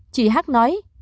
chị hát nói